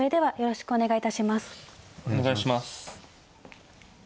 お願いします。